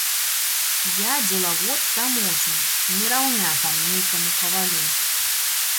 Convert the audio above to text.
Я дзелавод таможні, не раўня там нейкаму кавалю.